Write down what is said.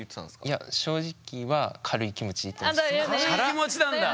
いや正直は軽い気持ちなんだ